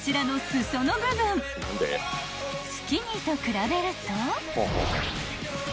［スキニーと比べると］